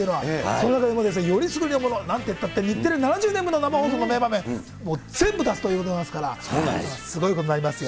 その中でも選りすぐりのもの、なんてったって日テレ７０年分の生放送の名場面、もう全部出すということでございますから、すごいことになりますよ。